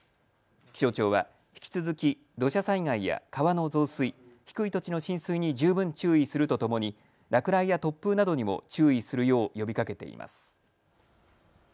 気象庁は引き続き土砂災害や川の増水、低い土地の浸水に十分注意するとともに落雷や突風などにも注意するよう呼びかけています。